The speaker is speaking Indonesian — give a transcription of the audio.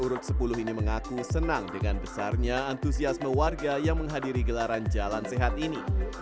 urut sepuluh ini mengaku senang dengan besarnya antusiasme warga yang menghadiri gelaran jalan sehat ini